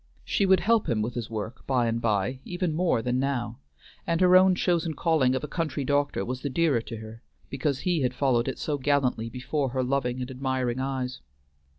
She would help him with his work by and by even more than now, and her own chosen calling of a country doctor was the dearer to her, because he had followed it so gallantly before her loving and admiring eyes.